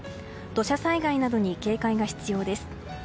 土砂災害などに警戒が必要です。